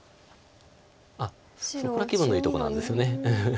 あっそこは気分のいいとこなんですよね。